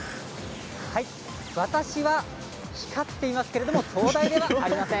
私は光っていますけれども灯台ではありません！